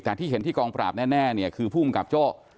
แต่ที่เห็นที่กองปราบแน่เนี่ยคือภูมิกับโจ้